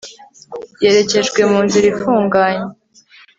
Yerekejwe munzira ifunganye